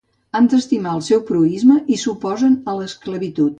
Han d'estimar el seu proïsme, i s'oposen a l'esclavitud.